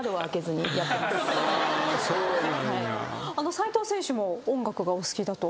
斉藤選手も音楽がお好きだと。